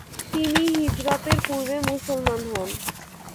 তিনি হিজরাতের পূর্বে মুসলমান হন।